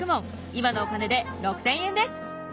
今のお金で６，０００円です。